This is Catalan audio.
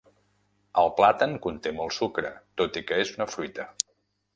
El plàtan conté molt sucre, tot i que és una fruita.